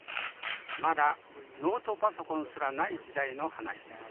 まだノートパソコンすらない時代の話です。